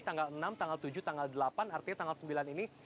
tanggal enam tanggal tujuh tanggal delapan artinya tanggal sembilan ini